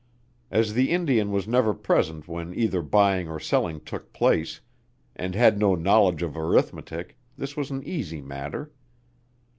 As the Indian was never present when either buying or selling took place, and had no knowledge of arithmetic, this was an easy matter.